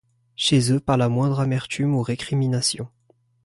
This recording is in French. Chez eux pas la moindre amertume ou récrimination.